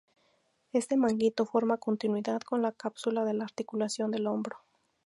Este manguito forma continuidad con la cápsula de la articulación del hombro.